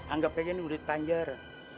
anggap aja nih mulit panjar